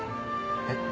えっ？